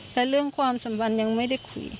แต่เรื่องความสัมพันธ์ยังไม่ได้คุย